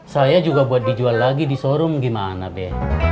saya juga buat dijual lagi di showroom gimana be